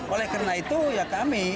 oleh karena itu ya kami